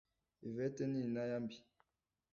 ivete ni intaya mbi